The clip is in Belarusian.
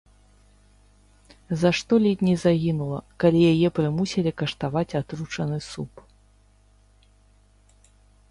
За што ледзь не загінула, калі яе прымусілі каштаваць атручаны суп.